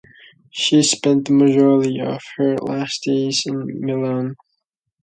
She spent the majority of her last days in Milan.